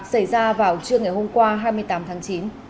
xảy ra vào trưa ngày hôm qua hai mươi tám tháng chín